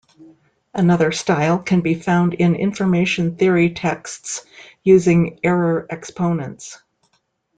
Another style can be found in information theory texts using error exponents.